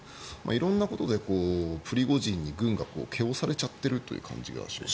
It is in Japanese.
色んなことでプリゴジンに軍が気おされちゃってるという感じがします。